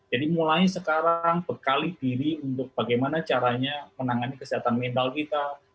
jadi mulai sekarang bekali diri untuk bagaimana caranya menangani kesehatan mental kita